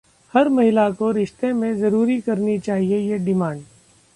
हर महिला को रिश्ते में जरूर करनी चाहिए ये 'डिमांड'